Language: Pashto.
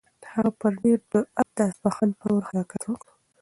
هغه په ډېر جرئت د اصفهان په لور حرکت وکړ.